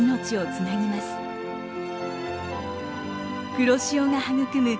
黒潮が育む